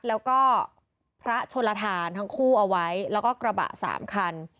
แล้วก็พระชนลทานทั้งคู่เอาไว้แล้วก็กระบะ๓คัน